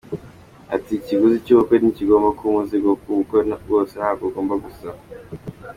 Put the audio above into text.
Ati “Ikiguzi cy’ubukwe ntikigomba kuba umuzigo kuko ubukwe bwose ntabwo bugomba gusa.